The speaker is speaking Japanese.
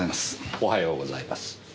おはようございます。